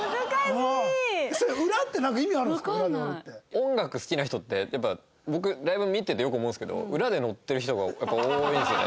音楽好きな人ってやっぱ僕ライブ見ててよく思うんですけど裏でノってる人が多いんですよね。